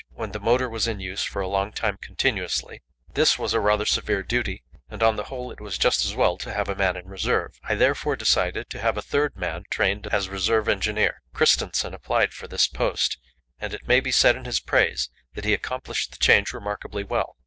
When the motor was in use for a long time continuously, this was a rather severe duty, and on the whole it was just as well to have a man in reserve. I therefore decided to have a third man trained as reserve engineer. Kristensen applied for this post, and it may be said in his praise that he accomplished the change remarkably well.